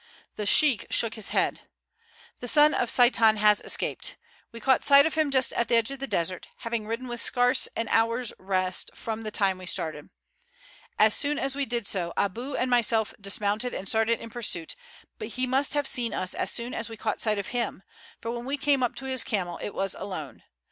The sheik shook his head. "The son of Sheitan has escaped. We caught sight of him just at the edge of the desert, having ridden with scarce an hour's rest from the time we started. As soon as we did so Aboo and myself dismounted and started in pursuit; but he must have seen us as soon as we caught sight of him, for when we came up to his camel it was alone.